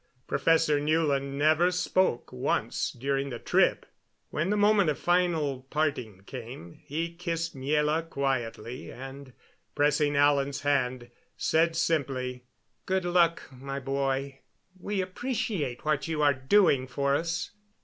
Professor Newland never spoke once during the trip. When the moment of final parting came he kissed Miela quietly, and, pressing Alan's hand, said simply: "Good luck, my boy. We appreciate what you are doing for us.